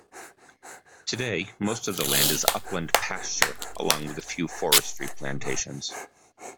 Today most of the land is upland pasture, along with a few forestry plantations.